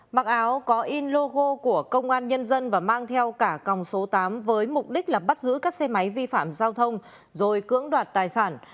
mặc áo có in logo của công an nhân dân và mang theo cả còng số tám với mục đích là bắt giữ các xe máy vi phạm giao thông rồi cưỡng đoạt tài sản